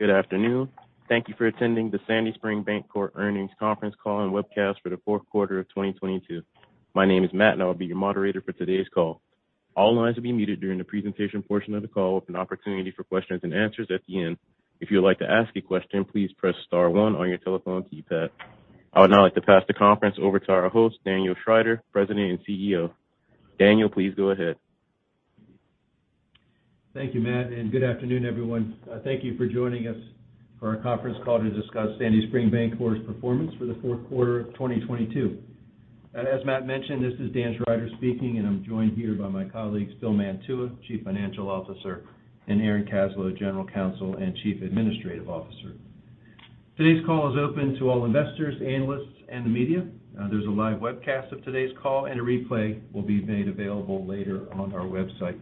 Good afternoon. Thank you for attending the Sandy Spring Bancorp Earnings Conference Call and Webcast for the 4th quarter of 2022. My name is Matt, and I'll be your moderator for today's call. All lines will be muted during the presentation portion of the call with an opportunity for questions and answers at the end. If you would like to ask a question, please press star one on your telephone keypad. I would now like to pass the conference over to our host, Daniel Schrider, President and CEO. Daniel, please go ahead. Thank you, Matt, good afternoon, everyone. Thank you for joining us for our conference call to discuss Sandy Spring Bancorp's performance for the Q4 of 2022. As Matt mentioned, this is Dan Schrider speaking, and I'm joined here by my colleagues, Phil Mantua, Chief Financial Officer, and Aaron Kaslow, General Counsel and Chief Administrative Officer. Today's call is open to all investors, analysts, and the media. There's a live webcast of today's call, and a replay will be made available later on our website.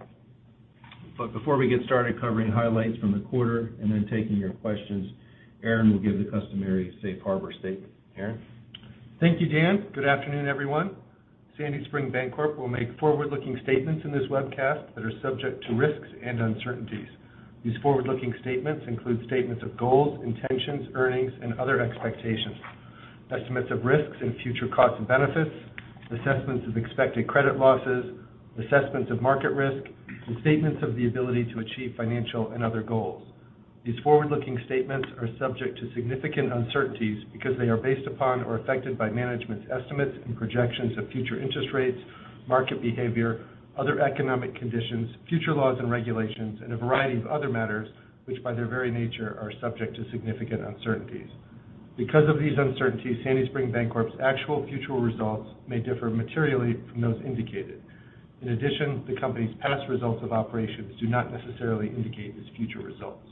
Before we get started covering highlights from the quarter and then taking your questions, Aaron will give the customary safe harbor statement. Aaron? Thank you, Dan. Good afternoon, everyone. Sandy Spring Bancorp will make forward-looking statements in this webcast that are subject to risks and uncertainties. These forward-looking statements include statements of goals, intentions, earnings, and other expectations, estimates of risks and future costs and benefits, assessments of expected credit losses, assessments of market risk, and statements of the ability to achieve financial and other goals. These forward-looking statements are subject to significant uncertainties because they are based upon or affected by management's estimates and projections of future interest rates, market behavior, other economic conditions, future laws and regulations, and a variety of other matters which, by their very nature, are subject to significant uncertainties. Because of these uncertainties, Sandy Spring Bancorp's actual future results may differ materially from those indicated. In addition, the company's past results of operations do not necessarily indicate its future results.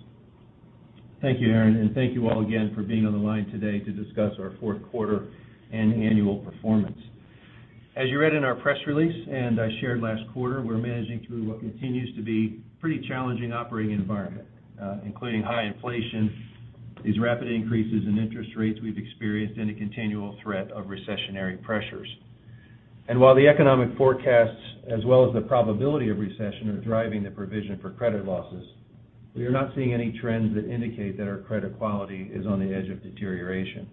Thank you, Aaron, and thank you all again for being on the line today to discuss our Q4 and annual performance. As you read in our press release and I shared last quarter, we're managing through what continues to be pretty challenging operating environment, including high inflation, these rapid increases in interest rates we've experienced, and a continual threat of recessionary pressures. While the economic forecasts, as well as the probability of recession, are driving the provision for credit losses, we are not seeing any trends that indicate that our credit quality is on the edge of deterioration.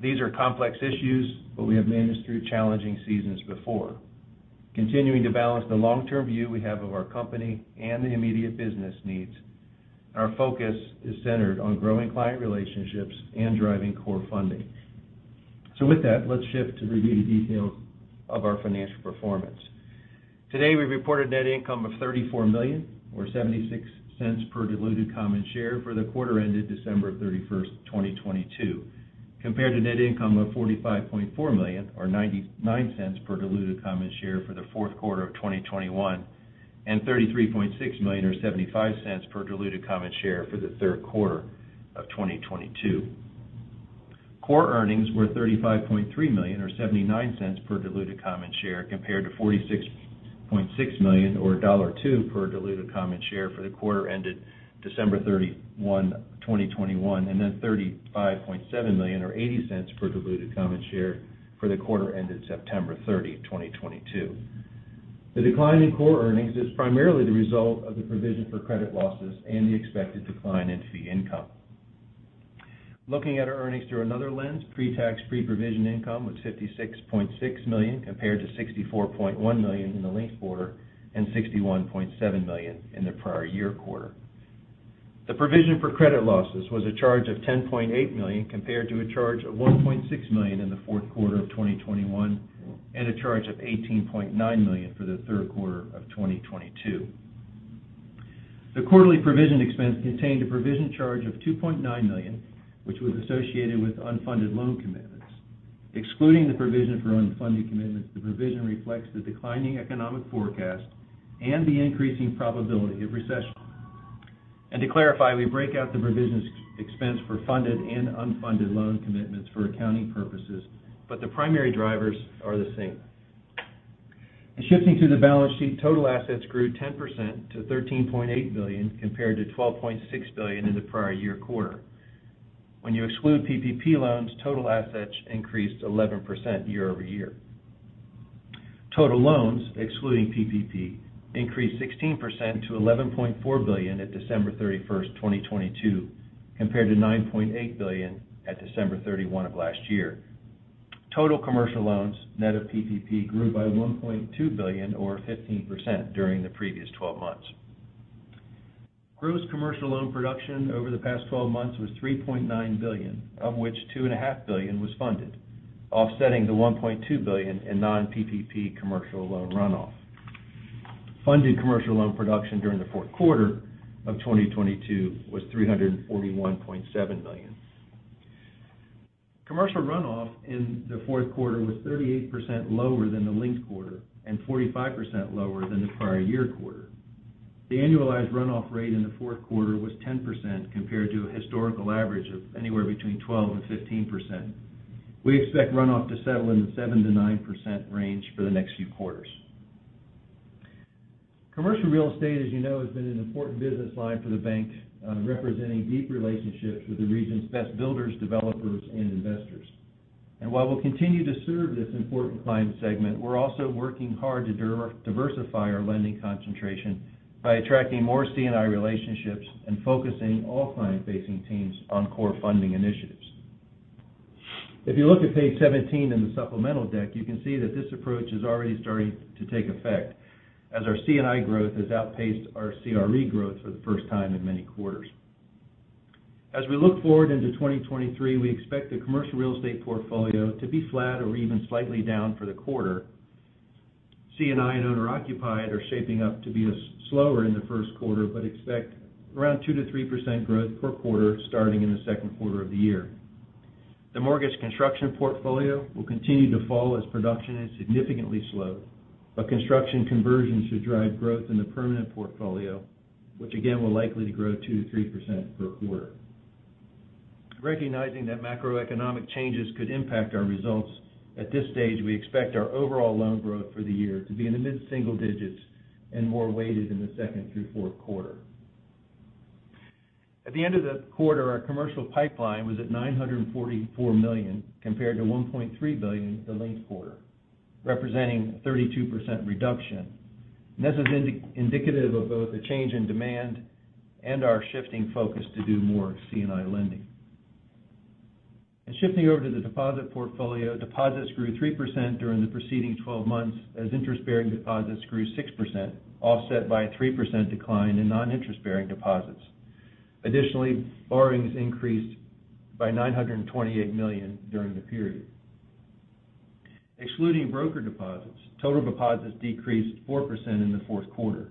These are complex issues, but we have managed through challenging seasons before. Continuing to balance the long-term view we have of our company and the immediate business needs, our focus is centered on growing client relationships and driving core funding. With that, let's shift to review the details of our financial performance. Today, we reported net income of $34 million, or $0.76 per diluted common share for the quarter ended December 31, 2022, compared to net income of $45.4 million, or $0.99 per diluted common share for the Q4 of 2021, and $33.6 million or $0.75 per diluted common share for the Q3 of 2022. Core earnings were $35.3 million or $0.79 per diluted common share compared to $46.6 million or $2.00 per diluted common share for the quarter ended December 31, 2021, and then $35.7 million or $0.80 per diluted common share for the quarter ended September 30, 2022. The decline in core earnings is primarily the result of the provision for credit losses and the expected decline in fee income. Looking at our earnings through another lens, pre-tax, pre-provision income was $56.6 million compared to $64.1 million in the linked quarter and $61.7 million in the prior year quarter. The provision for credit losses was a charge of $10.8 million compared to a charge of $1.6 million in the Q4 of 2021 and a charge of $18.9 million for the Q3 of 2022. The quarterly provision expense contained a provision charge of $2.9 million, which was associated with unfunded loan commitments. Excluding the provision for unfunded commitments, the provision reflects the declining economic forecast and the increasing probability of recession. To clarify, we break out the provisions expense for funded and unfunded loan commitments for accounting purposes, but the primary drivers are the same. Shifting to the balance sheet, total assets grew 10% to $13.8 billion compared to $12.6 billion in the prior-year quarter. When you exclude PPP loans, total assets increased 11% year-over-year. Total loans, excluding PPP, increased 16% to $11.4 billion at December 31, 2022, compared to $9.8 billion at December 31 of last year. Total commercial loans, net of PPP, grew by $1.2 billion or 15% during the previous 12 months. Gross commercial loan production over the past 12 months was $3.9 billion, of which two and a half billion was funded, offsetting the $1.2 billion in non-PPP commercial loan runoff. Funded commercial loan production during the Q4 of 2022 was $341.7 million. Commercial runoff in the Q4 was 38% lower than the linked quarter and 45% lower than the prior year quarter. The annualized runoff rate in the Q4 was 10% compared to a historical average of anywhere between 12% and 15%. We expect runoff to settle in the 7%-9% range for the next few quarters. Commercial real estate, as you know, has been an important business line for the bank, representing deep relationships with the region's best builders, developers, and investors. While we'll continue to serve this important client segment, we're also working hard to diversify our lending concentration by attracting more C&I relationships and focusing all client-facing teams on core funding initiatives. If you look at page 17 in the supplemental deck, you can see that this approach is already starting to take effect as our C&I growth has outpaced our CRE growth for the first time in many quarters. As we look forward into 2023, we expect the commercial real estate portfolio to be flat or even slightly down for the quarter. C&I and owner-occupied are shaping up to be slower in the Q1. We expect around 2%-3% growth per quarter starting in the Q2 of the year. The mortgage construction portfolio will continue to fall as production has significantly slowed. Construction conversions should drive growth in the permanent portfolio, which again, will likely to grow 2%-3% per quarter. Recognizing that macroeconomic changes could impact our results, at this stage, we expect our overall loan growth for the year to be in the mid-single digits and more weighted in the second through Q4. At the end of the quarter, our commercial pipeline was at $944 million compared to $1.3 billion the linked quarter, representing a 32% reduction. This is indicative of both a change in demand and our shifting focus to do more C&I lending. Shifting over to the deposit portfolio, deposits grew 3% during the preceding twelve months as interest-bearing deposits grew 6%, offset by a 3% decline in non-interest-bearing deposits. Additionally, borrowings increased by $928 million during the period. Excluding broker deposits, total deposits decreased 4% in the Q4.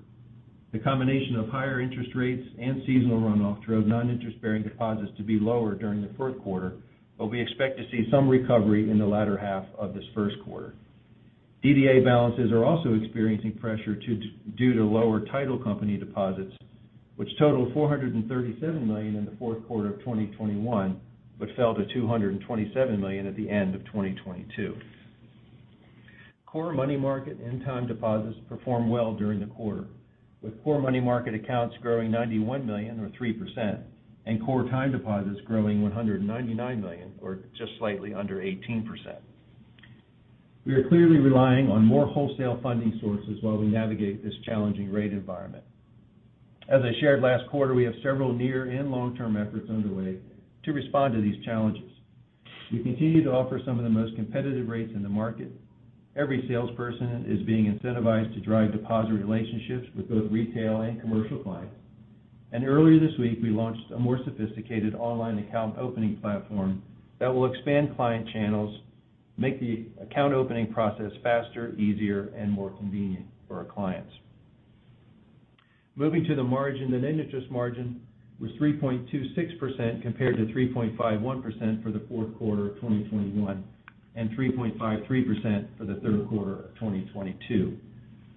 The combination of higher interest rates and seasonal runoff drove non-interest-bearing deposits to be lower during the Q4. We expect to see some recovery in the latter half of this Q1. DDA balances are also experiencing pressure due to lower title company deposits, which totaled $437 million in the Q4 of 2021, but fell to $227 million at the end of 2022. Core money market and time deposits performed well during the quarter, with core money market accounts growing $91 million or 3%, and core time deposits growing $199 million or just slightly under 18%. We are clearly relying on more wholesale funding sources while we navigate this challenging rate environment. As I shared last quarter, we have several near and long-term efforts underway to respond to these challenges. We continue to offer some of the most competitive rates in the market. Every salesperson is being incentivized to drive deposit relationships with both retail and commercial clients. Earlier this week, we launched a more sophisticated online account opening platform that will expand client channels, make the account opening process faster, easier, and more convenient for our clients. Moving to the margin, the net interest margin was 3.26% compared to 3.51% for the Q4 of 2021, and 3.53% for the Q3 of 2022.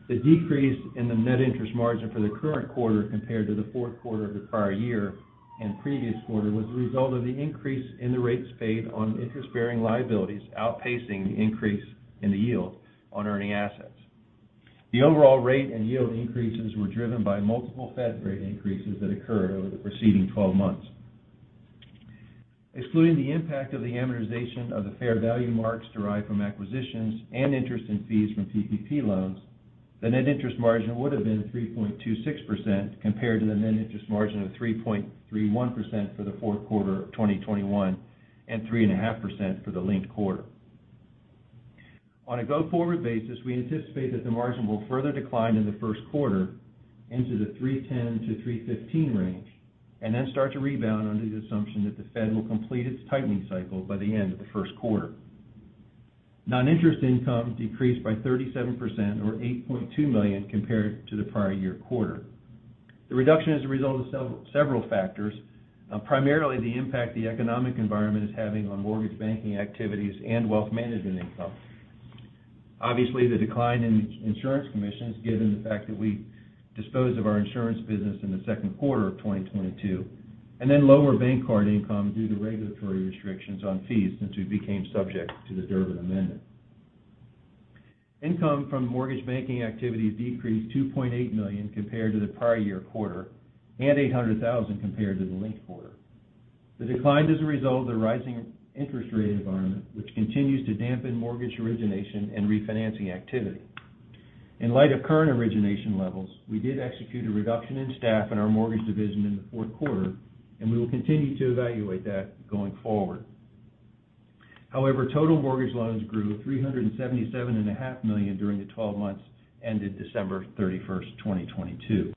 The decrease in the net interest margin for the current quarter compared to the Q4 of the prior year and previous quarter was the result of the increase in the rates paid on interest-bearing liabilities outpacing the increase in the yield on earning assets. The overall rate and yield increases were driven by multiple Fed rate increases that occurred over the preceding 12 months. Excluding the impact of the amortization of the fair value marks derived from acquisitions and interest in fees from PPP loans, the net interest margin would have been 3.26% compared to the net interest margin of 3.31% for the Q4 of 2021 and 3.5% for the linked quarter. On a go-forward basis, we anticipate that the margin will further decline in the Q1 into the 3.10%-3.15% range, and then start to rebound under the assumption that the Fed will complete its tightening cycle by the end of the Q1. Non-interest income decreased by 37% or $8.2 million compared to the prior year quarter. The reduction is a result of several factors, primarily the impact the economic environment is having on mortgage banking activities and wealth management income. Obviously, the decline in insurance commissions, given the fact that we disposed of our insurance business in the Q2 of 2022, and then lower bank card income due to regulatory restrictions on fees since we became subject to the Durbin Amendment. Income from mortgage banking activities decreased $2.8 million compared to the prior year quarter and $800,000 compared to the linked quarter. The decline is a result of the rising interest rate environment, which continues to dampen mortgage origination and refinancing activity. In light of current origination levels, we did execute a reduction in staff in our mortgage division in the Q4, and we will continue to evaluate that going forward. Total mortgage loans grew $377 and a half million during the 12 months ended December 31, 2022.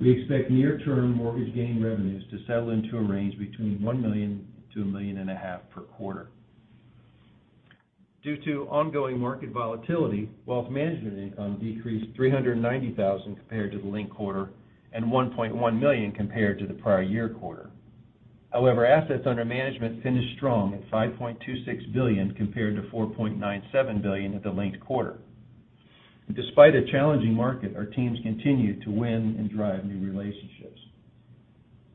We expect near-term mortgage gain revenues to settle into a range between $1 million to $1 and a half million per quarter. Due to ongoing market volatility, wealth management income decreased $390,000 compared to the linked quarter and $1.1 million compared to the prior year quarter. Assets under management finished strong at $5.26 billion compared to $4.97 billion at the linked quarter. Despite a challenging market, our teams continued to win and drive new relationships.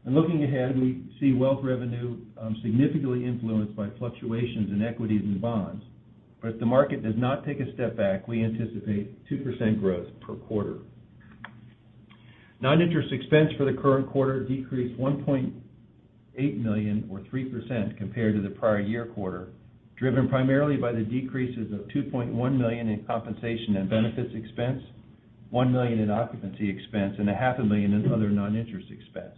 Looking ahead, we see wealth revenue significantly influenced by fluctuations in equities and bonds. If the market does not take a step back, we anticipate 2% growth per quarter. Non-interest expense for the current quarter decreased $1.8 million or 3% compared to the prior year quarter, driven primarily by the decreases of $2.1 million in compensation and benefits expense, $1 million in occupancy expense, and a half a million in other non-interest expense.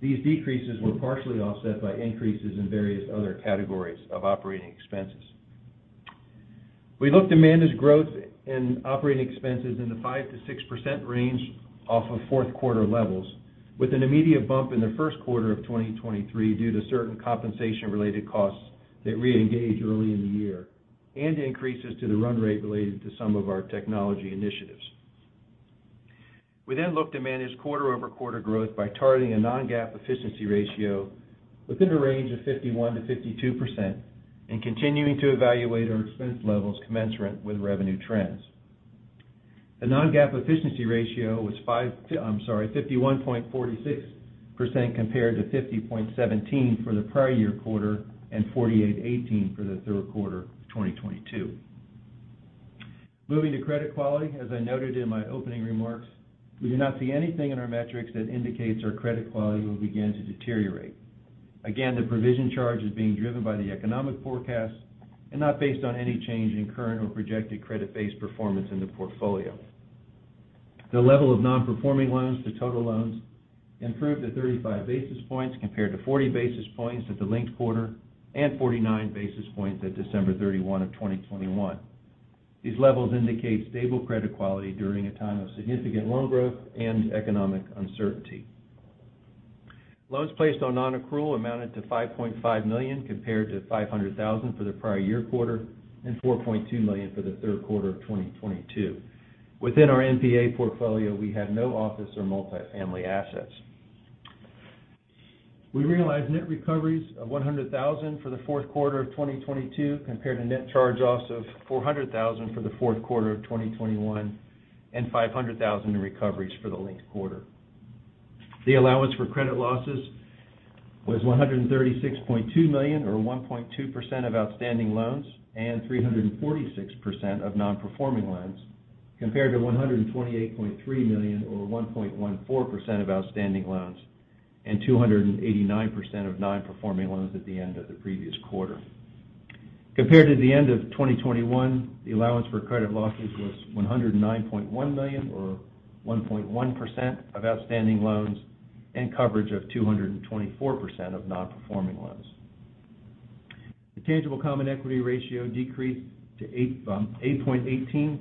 These decreases were partially offset by increases in various other categories of operating expenses. We look to manage growth in operating expenses in the 5%-6% range off of Q4 levels, with an immediate bump in the Q1 of 2023 due to certain compensation-related costs that reengage early in the year and increases to the run rate related to some of our technology initiatives. We look to manage quarter-over-quarter growth by targeting a non-GAAP efficiency ratio within the range of 51%-52% and continuing to evaluate our expense levels commensurate with revenue trends. The non-GAAP efficiency ratio was 51.46% compared to 50.17% for the prior year quarter and 48.18% for the Q3 of 2022. Moving to credit quality, as I noted in my opening remarks, we do not see anything in our metrics that indicates our credit quality will begin to deteriorate. Again, the provision charge is being driven by the economic forecast and not based on any change in current or projected credit-based performance in the portfolio. The level of non-performing loans to total loans improved to 35 basis points compared to 40 basis points at the linked quarter and 49 basis points at December 31 of 2021. These levels indicate stable credit quality during a time of significant loan growth and economic uncertainty. Loans placed on non-accrual amounted to $5.5 million compared to $500,000 for the prior year quarter and $4.2 million for the Q3 of 2022. Within our NPA portfolio, we had no office or multifamily assets. We realized net recoveries of $100,000 for the Q4 of 2022 compared to net charge-offs of $400,000 for the Q4 of 2021 and $500,000 in recoveries for the linked quarter. The allowance for credit losses was $136.2 million or 1.2% of outstanding loans and 346% of non-performing loans, compared to $128.3 million or 1.14% of outstanding loans and 289% of non-performing loans at the end of the previous quarter. Compared to the end of 2021, the allowance for credit losses was $109.1 million or 1.1% of outstanding loans and coverage of 224% of non-performing loans. The tangible common equity ratio decreased to 8.18%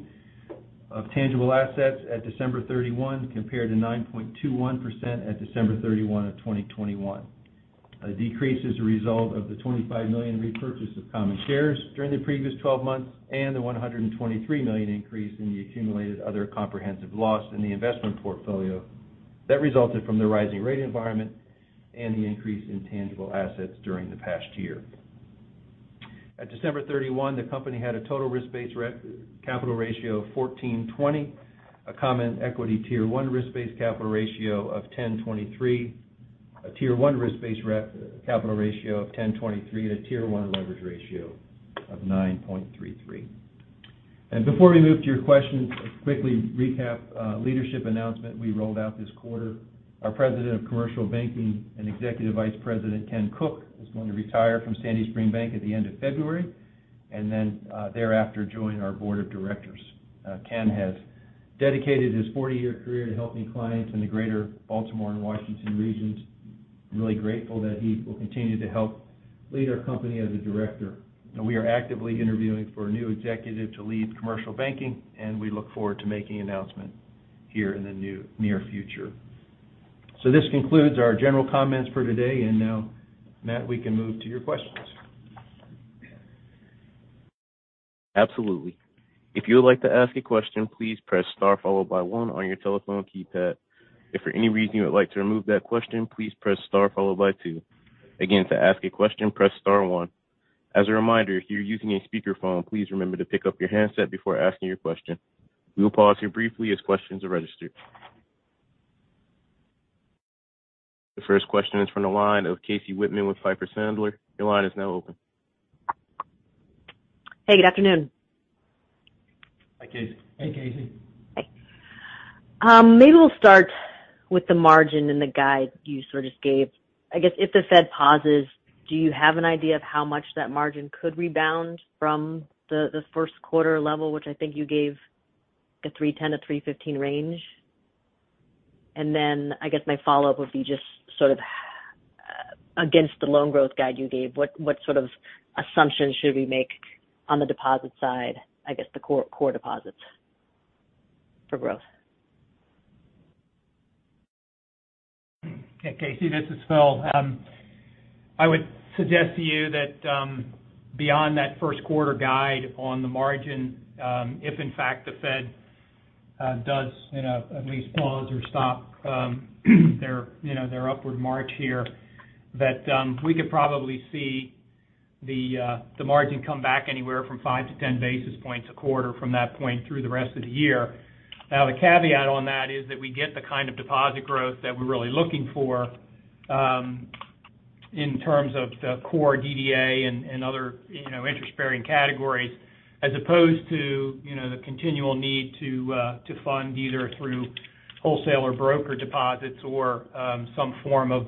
of tangible assets at December 31 compared to 9.21% at December 31, 2021. A decrease is a result of the $25 million repurchase of common shares during the previous 12 months and the $123 million increase in the accumulated other comprehensive loss in the investment portfolio that resulted from the rising rate environment and the increase in tangible assets during the past year. At December 31, the company had a total risk-based capital ratio of 14.20%, a Common Equity Tier 1 risk-based capital ratio of 10.23%, a Tier 1 risk-based capital ratio of 10.23%, and a Tier 1 leverage ratio of 9.33%. Before we move to your questions, a quickly recap leadership announcement we rolled out this quarter. Our President of Commercial Banking and Executive Vice President, Ken Cook, is going to retire from Sandy Spring Bank at the end of February and then thereafter join our board of directors. Ken has dedicated his 40-year career to helping clients in the Greater Baltimore and Washington regions. I'm really grateful that he will continue to help lead our company as a director. We are actively interviewing for a new executive to lead commercial banking, and we look forward to making an announcement here in the near future. This concludes our general comments for today. Now, Matt, we can move to your questions. Absolutely. If you would like to ask a question, please press star followed by one on your telephone keypad. If for any reason you would like to remove that question, please press star followed by two. Again, to ask a question, press star one. As a reminder, if you're using a speakerphone, please remember to pick up your handset before asking your question. We will pause here briefly as questions are registered. The first question is from the line of Casey Whitman with Piper Sandler. Your line is now open. Hey, good afternoon. Hi, Casey. Hey, Casey. Hi. Maybe we'll start with the margin and the guide you sort of gave. I guess if the Fed pauses, do you have an idea of how much that margin could rebound from the Q1 level, which I think you gave a 3.10%-3.15% range? I guess my follow-up would be just sort of against the loan growth guide you gave, what sort of assumptions should we make on the deposit side, I guess the core deposits for growth? Casey, this is Phil. I would suggest to you that, beyond that Q1 guide on the margin, if in fact the Fed, does, you know, at least pause or stop, their, you know, their upward march here, that, we could probably see the margin come back anywhere from 5 to 10 basis points a quarter from that point through the rest of the year. The caveat on that is that we get the kind of deposit growth that we're really looking for. In terms of the core DDA and other, you know, interest-bearing categories, as opposed to, you know, the continual need to fund either through wholesale or broker deposits or some form of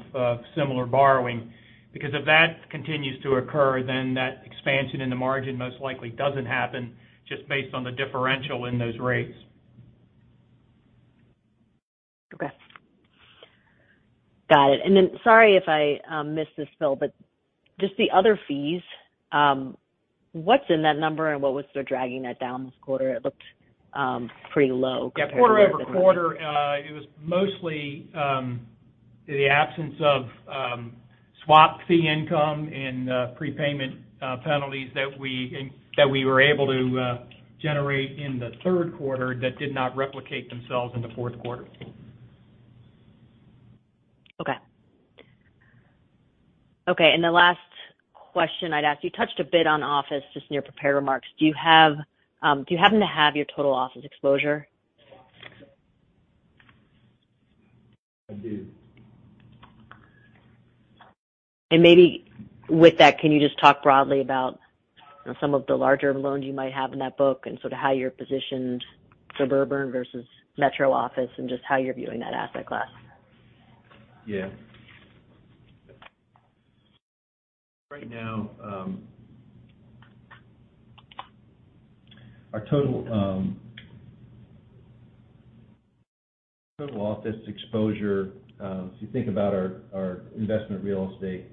similar borrowing. If that continues to occur, then that expansion in the margin most likely doesn't happen just based on the differential in those rates. Okay. Got it. Sorry if I missed this, Phil, but just the other fees, what's in that number? What was sort of dragging that down this quarter? It looked pretty low compared to. Yeah. quarter-over-quarter, it was mostly the absence of swap fee income and prepayment penalties that we were able to generate in the Q3 that did not replicate themselves in the Q4. Okay. Okay, the last question I'd ask, you touched a bit on office just in your prepared remarks. Do you happen to have your total office exposure? I do. Maybe with that, can you just talk broadly about, you know, some of the larger loans you might have in that book and sort of how you're positioned suburban versus metro office and just how you're viewing that asset class? Right now, our total total office exposure, if you think about our investment real estate,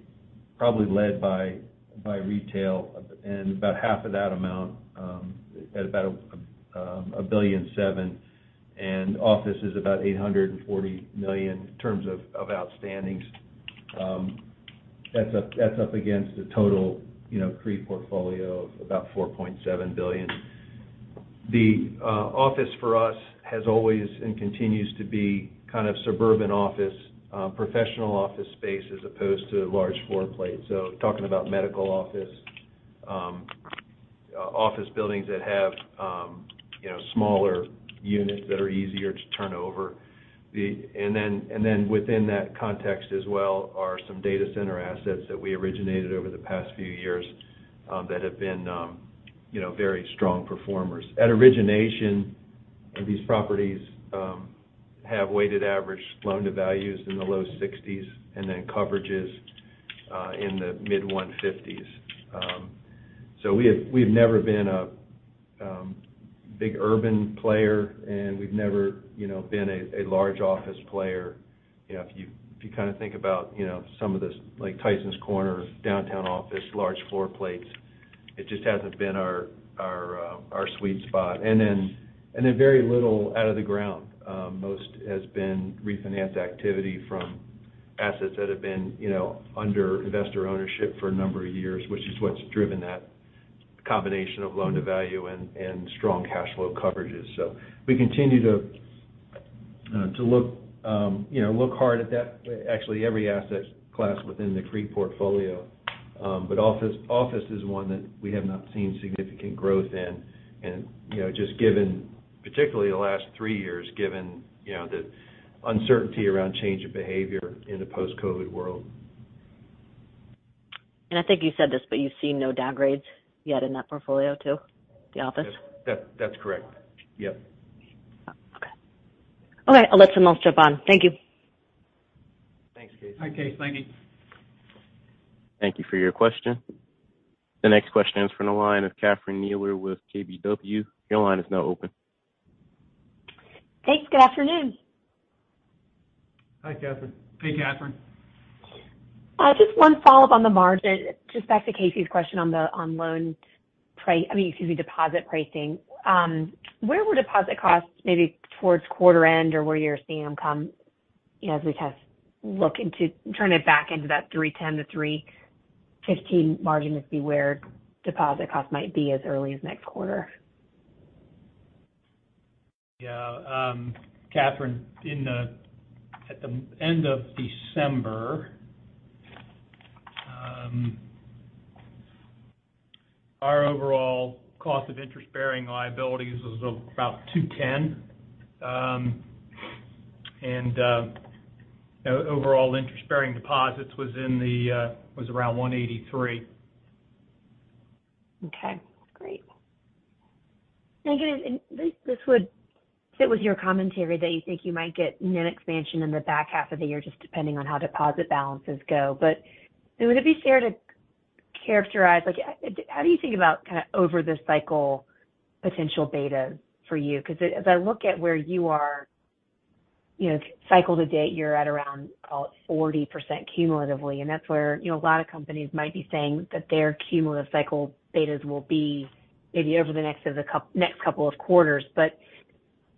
probably led by retail and about half of that amount, at about $1.7 billion, and office is about $840 million in terms of outstandings. That's up against a total, you know, CRE portfolio of about $4.7 billion. Office for us has always and continues to be kind of suburban office, professional office space as opposed to large floor plates. Talking about medical office buildings that have, you know, smaller units that are easier to turn over. Within that context as well are some data center assets that we originated over the past few years, that have been, you know, very strong performers. At origination, these properties have weighted average loan to values in the low 60s and then coverages in the mid 150s. We've never been a big urban player, and we've never, you know, been a large office player. If you, if you kind of think about, you know, some of this, like, Tysons Corner downtown office, large floor plates, it just hasn't been our sweet spot. Very little out of the ground. Most has been refinance activity from assets that have been, you know, under investor ownership for a number of years, which is what's driven that combination of loan to value and strong cash flow coverages. We continue to look, you know, look hard at that, actually every asset class within the CRE portfolio. Office is one that we have not seen significant growth in and, you know, just given particularly the last three years, given, you know, the uncertainty around change of behavior in a post-COVID world. I think you said this, but you see no downgrades yet in that portfolio too, the office? That's correct. Yep. Okay. I'll let someone else jump on. Thank you. Thanks, Casey. Bye, Casey. Thank you. Thank you for your question. The next question is from the line of Catherine Mealor with KBW. Your line is now open. Thanks. Good afternoon. Hi, Catherine. Hey, Catherine. Just one follow-up on the margin. Just back to Casey's question on deposit pricing. Where will deposit costs maybe towards quarter end or where you're seeing them come, you know, as we kind of look into turning it back into that 3.10%-3.15% margin where deposit costs might be as early as next quarter? Yeah. Catherine, at the end of December, our overall cost of interest-bearing liabilities was about 2.10%. Overall interest-bearing deposits was around 1.83%. Okay, great. Again, this would fit with your commentary that you think you might get NIM expansion in the back half of the year just depending on how deposit balances go. Would it be fair to characterize, like, how do you think about kind of over the cycle potential beta for you? Because as I look at where you are, you know, cycle to date, you're at around 40% cumulatively, and that's where, you know, a lot of companies might be saying that their cumulative cycle betas will be maybe over the next couple of quarters.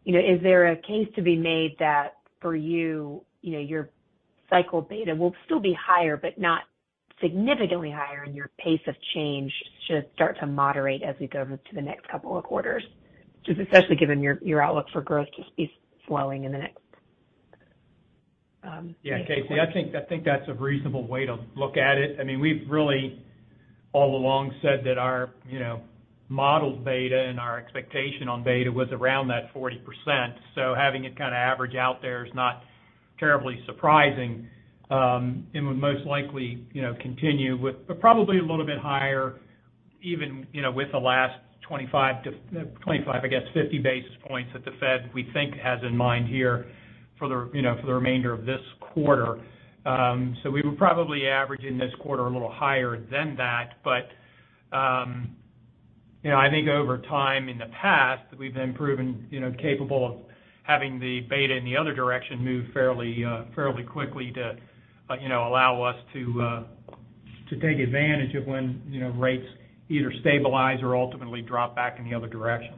You know, is there a case to be made that for you know, your cycle beta will still be higher but not significantly higher, and your pace of change should start to moderate as we go to the next couple of quarters? Just especially given your outlook for growth to be slowing in the next. Catherine, I think that's a reasonable way to look at it. I mean, we've really all along said that our, you know, modeled beta and our expectation on beta was around that 40%. Having it kind of average out there is not terribly surprising, and would most likely, you know, continue, but probably a little bit higher even, you know, with the last 25, I guess, 50 basis points that the Fed, we think has in mind here for the, you know, for the remainder of this quarter. We were probably averaging this quarter a little higher than that. you know, I think over time in the past, we've been proven, you know, capable of having the beta in the other direction move fairly quickly to, you know, allow us to take advantage of when, you know, rates either stabilize or ultimately drop back in the other direction.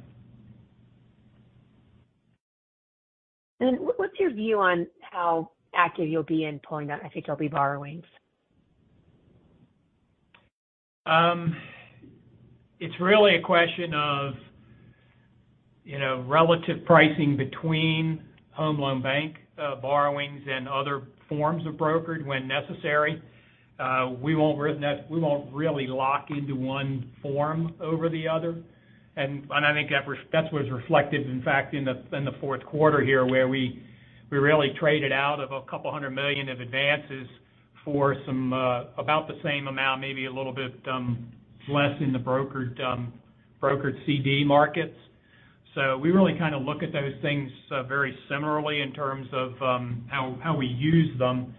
What's your view on how active you'll be in pulling down FHLB borrowings? It's really a question of, you know, relative pricing between Home Loan Bank borrowings and other forms of brokerage when necessary. We won't really lock into one form over the other. I think that's what is reflected, in fact, in the Q4 here, where we really traded out of $200 million of advances for some, about the same amount, maybe a little bit less in the brokered CD markets. We really kind of look at those things very similarly in terms of how we use them.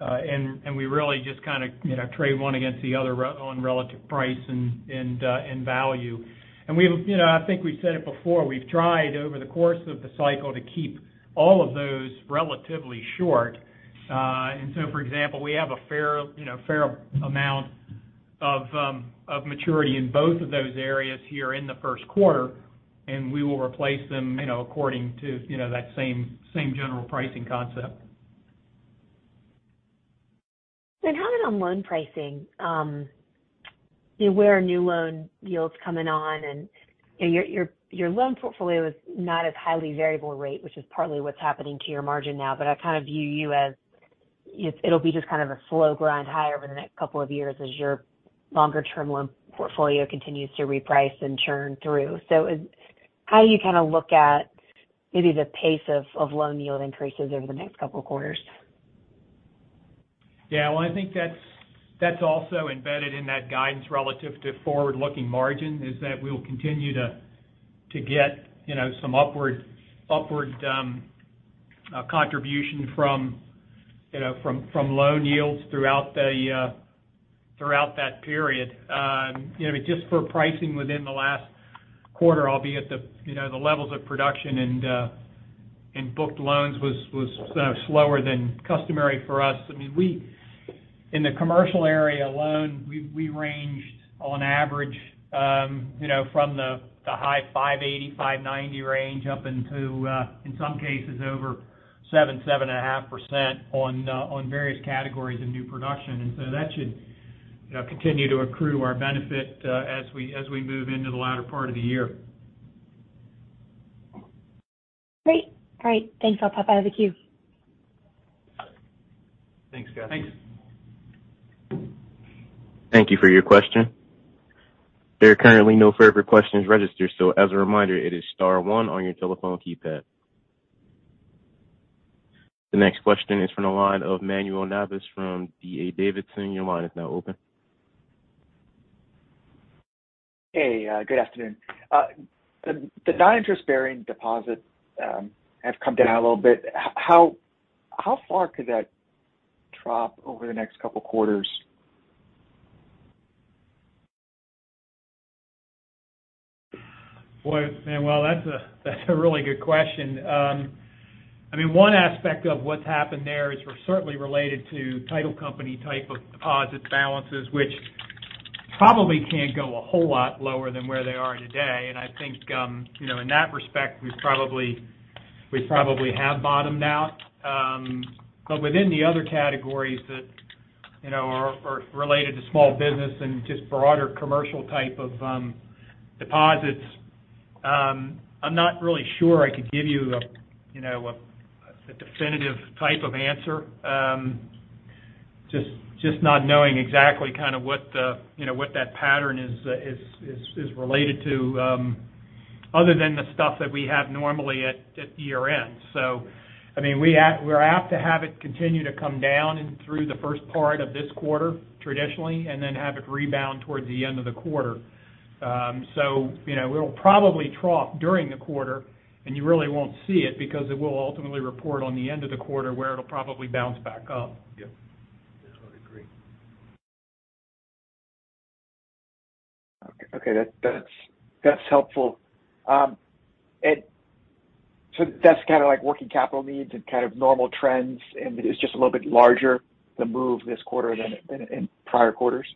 We really just kind of, you know, trade one against the other on relative price and value. We've, you know, I think we've said it before, we've tried over the course of the cycle to keep all of those relatively short. So for example, we have a fair, you know, fair amount of maturity in both of those areas here in the Q1, and we will replace them, you know, according to, you know, that same general pricing concept. How about on loan pricing? Where are new loan yields coming on? You know, your loan portfolio is not as highly variable rate, which is partly what's happening to your margin now, but I kind of view you as it'll be just kind of a slow grind higher over the next couple of years as your longer term loan portfolio continues to reprice and churn through. How do you kind of look at maybe the pace of loan yield increases over the next couple of quarters? Well, I think that's also embedded in that guidance relative to forward-looking margin, is that we'll continue to get, you know, some upward contribution from, you know, from loan yields throughout that period. You know, just for pricing within the last quarter, albeit the, you know, the levels of production and booked loans was slower than customary for us. I mean, in the commercial area alone, we ranged on average, you know, from the high 580, 590 range up into in some cases over 7.5% on various categories of new production. That should, you know, continue to accrue to our benefit as we move into the latter part of the year. Great. All right. Thanks. I'll pop out of the queue. Thanks, Catherine. Thanks. Thank you for your question. There are currently no further questions registered. As a reminder, it is star one on your telephone keypad. The next question is from the line of Manuel Navas from D.A. Davidson. Your line is now open. Hey, good afternoon. The non-interest-bearing deposits have come down a little bit. How far could that drop over the next couple quarters? Boy, Manuel, that's a really good question. I mean, one aspect of what's happened there is we're certainly related to title company type of deposit balances, which probably can't go a whole lot lower than where they are today. I think, you know, in that respect, we probably, we probably have bottomed out. Within the other categories that, you know, are related to small business and just broader commercial type of deposits, I'm not really sure I could give you a, you know, a definitive type of answer. Just not knowing exactly kind of what the, you know, what that pattern is related to, other than the stuff that we have normally at year-end. I mean, we're apt to have it continue to come down and through the first part of this quarter, traditionally, and then have it rebound towards the end of the quarter. You know, we'll probably trough during the quarter, and you really won't see it because it will ultimately report on the end of the quarter where it'll probably bounce back up. Yep. I would agree. Okay. That, that's helpful. That's kind of like working capital needs and kind of normal trends, and it is just a little bit larger the move this quarter than in prior quarters?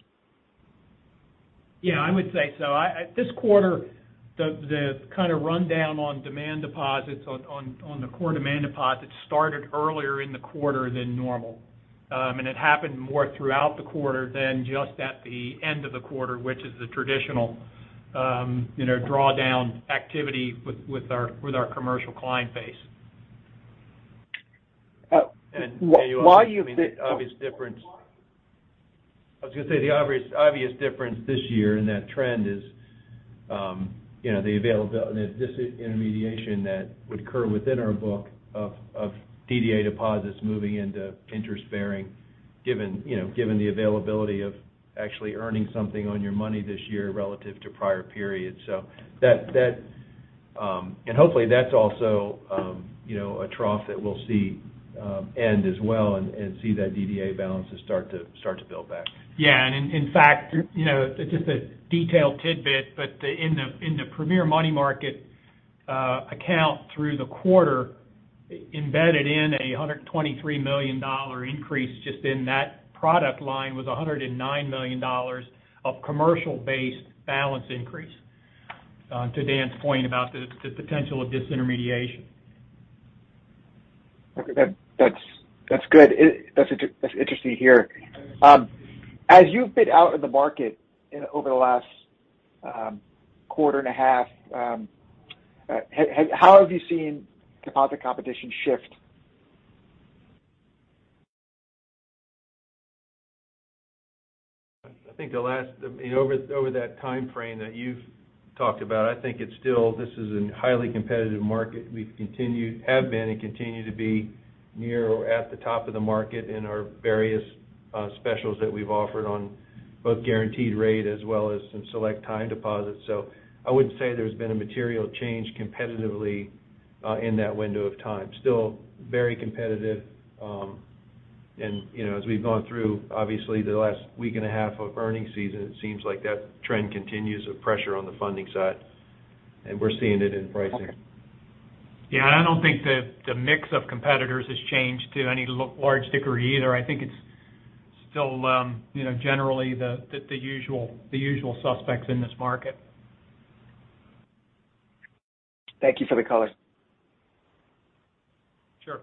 Yeah, I would say so. At this quarter, the kind of rundown on demand deposits on the core demand deposits started earlier in the quarter than normal. It happened more throughout the quarter than just at the end of the quarter, which is the traditional, you know, drawdown activity with our commercial client base. Why I mean the obvious difference, I was going to say the obvious difference this year in that trend is, you know, the disintermediation that would occur within our book of DDA deposits moving into interest-bearing, given, you know, given the availability of actually earning something on your money this year relative to prior periods. That, that. Hopefully, that's also, you know, a trough that we'll see, end as well and see that DDA balances start to build back. Yeah. In fact, you know, just a detailed tidbit, but in the Premier Money Market account through the quarter, embedded in a $123 million increase just in that product line was a $109 million of commercial-based balance increase, to Dan's point about the potential of disintermediation. Okay. That's good. That's interesting to hear. As you've been out in the market over the last quarter and a half, how have you seen deposit competition shift? I mean, over that time frame that you've talked about, I think it's still this is a highly competitive market. We've been and continue to be near or at the top of the market in our various specials that we've offered on both guaranteed rate as well as some select time deposits. I wouldn't say there's been a material change competitively in that window of time. Still very competitive. And, you know, as we've gone through, obviously, the last week and a half of earnings season, it seems like that trend continues of pressure on the funding side, and we're seeing it in pricing. Yeah. I don't think the mix of competitors has changed to any large degree either. I think it's still, you know, generally the usual suspects in this market. Thank you for the color. Sure.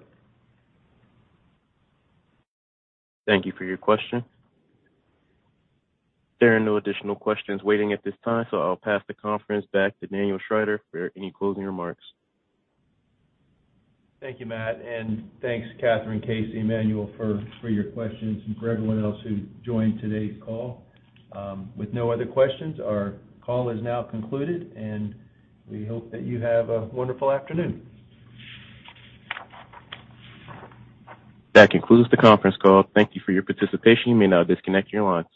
Thank you for your question. There are no additional questions waiting at this time. I'll pass the conference back to Daniel Schrider for any closing remarks. Thank you, Matt. Thanks, Catherine, Casey, Manuel for your questions and for everyone else who joined today's call. With no other questions, our call is now concluded. We hope that you have a wonderful afternoon. That concludes the conference call. Thank you for your participation. You may now disconnect your lines.